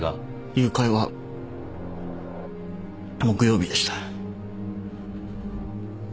誘拐は木曜日でした。